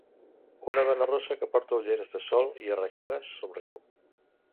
Una dona rossa que porta ulleres de sol i arracades somriu.